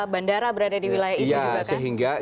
bandara berada di wilayah itu juga kan